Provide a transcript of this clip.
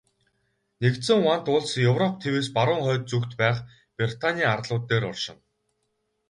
Нэгдсэн вант улс Европ тивээс баруун хойд зүгт байх Британийн арлууд дээр оршино.